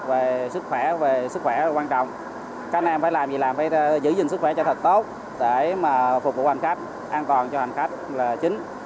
về sức khỏe về sức khỏe quan trọng các anh em phải làm việc làm phải giữ gìn sức khỏe cho thật tốt để mà phục vụ hành khách an toàn cho hành khách là chính